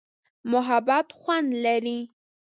محبت خوند لري.